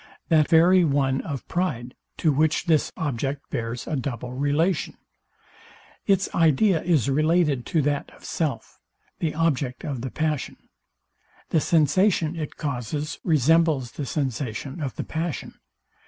That very one of pride, to which this object bears a double relation. Its idea is related to that of self, the object of the passion: The sensation it causes resembles the sensation of the passion.